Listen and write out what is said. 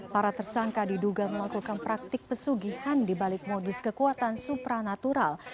para tersangka diduga melakukan praktik pesugihan dibalik modus kekuatan supranatural